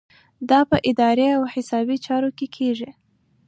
دا په اداري او حسابي چارو کې کیږي.